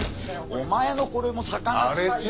お前のこれも魚臭いよ。